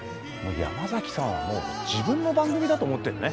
山崎さんは自分の番組だと思ってるね。